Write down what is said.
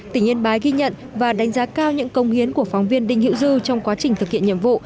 tỉnh yên bái ghi nhận và đánh giá cao những công hiến của phóng viên đinh hữu dư trong quá trình thực hiện nhiệm vụ